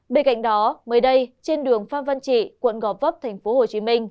bên cạnh đó mới đây trên đường phan văn trị quận gò vấp tp hcm